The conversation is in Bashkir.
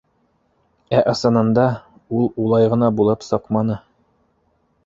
Ә ысынында ул улай ғына булып сыҡманы.